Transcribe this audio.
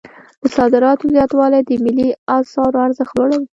د صادراتو زیاتوالی د ملي اسعارو ارزښت لوړوي.